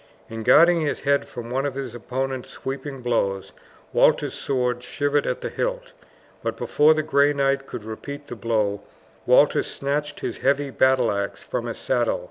In guarding his head from one of his opponent's sweeping blows Walter's sword shivered at the hilt; but before the Gray Knight could repeat the blow Walter snatched his heavy battle axe from his saddle.